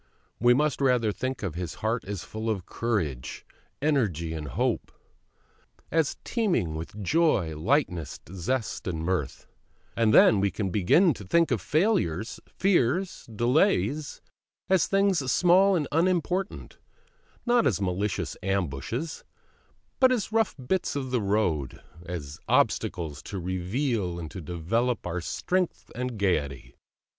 We must rather think of His Heart as full of courage, energy, and hope; as teeming with joy, lightness, zest, mirth; and then we can begin to think of failures, fears, delays as things small and unimportant, not as malicious ambushes, but as rough bits of road, as obstacles to reveal and to develop our strength and gaiety.